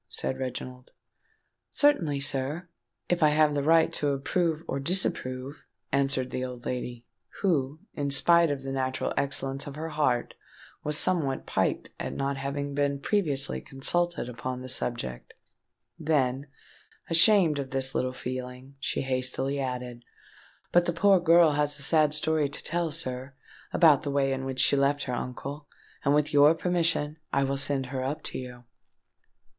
said Reginald. "Certainly, sir—if I have the right to approve or disapprove," answered the old lady, who, in spite of the natural excellence of her heart, was somewhat piqued at not having been previously consulted upon the subject: then, ashamed of this littleness of feeling, she hastily added, "But the poor girl has a sad story to tell, sir, about the way in which she left her uncle; and, with your permission, I will send her up to you."